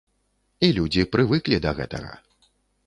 І людзі прывыклі да гэтага.